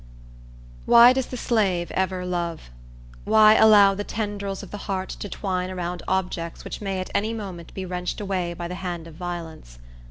Why does the slave ever love? Why allow the tendrils of the heart to twine around objects which may at any moment be wrenched away by the hand of violence?